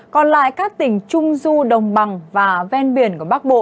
còn lại các tỉnh trung du đồng bằng và ven biển của bắc bộ